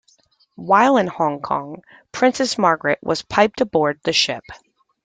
While in Hong Kong, Princess Margaret was piped aboard the ship.